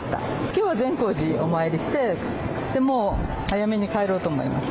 きょうは善光寺にお参りしてそれで、もう早めに帰ろうと思います。